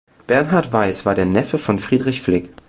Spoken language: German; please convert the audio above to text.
Bernhard Weiss war der Neffe von Friedrich Flick.